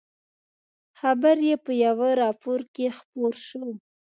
خبر یې په یوه راپور کې خپور شو.